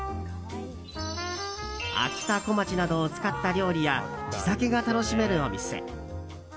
あきたこまちなどを使った料理や地酒が楽しめるお店。